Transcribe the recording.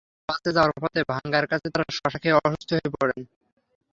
বাসে যাওয়ার পথে ভাঙ্গার কাছে তাঁরা শসা খেয়ে অসুস্থ হয়ে পড়েন।